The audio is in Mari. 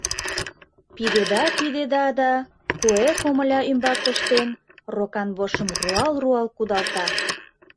Пидеда-пидеда да, куэ комыля ӱмбак пыштен, рокан вожшым руал-руал кудалта...